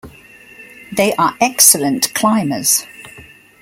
They are excellent climbers.